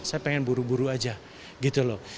saya pengen buru buru aja gitu loh